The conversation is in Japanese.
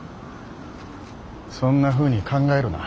そんなふうに考えるな。